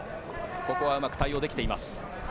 ここはうまく対応できています。